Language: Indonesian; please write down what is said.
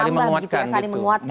saling menguatkan gitu